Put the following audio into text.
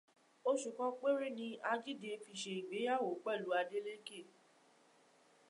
Oṣù kan péré ni Àjídé fi ṣe ìgbéyàwó pẹ̀lú Adélékè.